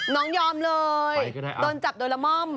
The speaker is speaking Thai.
ยอมเลยโดนจับโดยละม่อม